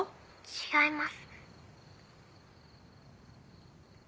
☎違います。